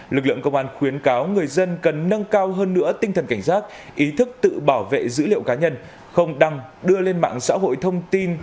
lực lượng công an khuyến cáo người dân cần nâng cao hơn nữa tinh thần cảnh giác ý thức tự bảo vệ dữ liệu cá nhân không đăng đưa lên mạng xã hội thông tin